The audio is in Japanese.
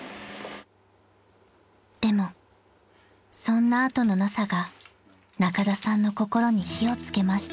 ［でもそんな後のなさが仲田さんの心に火を付けました］